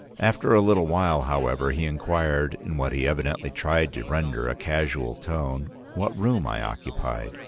"After a little while, however, he inquired, in what he evidently tried to render a casual tone, what room I occupied.